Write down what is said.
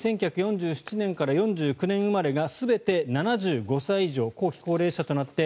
１９４７年から４９年生まれが全て７５歳以上後期高齢者となって